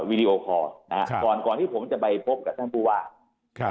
วีดีโอคอร์นะฮะก่อนก่อนที่ผมจะไปพบกับท่านผู้ว่าครับ